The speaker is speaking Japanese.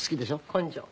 根性。